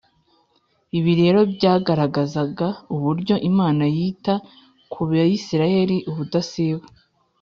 ibi rero byagaragazaga uburyo imana yita ku bisirayeli ubudasiba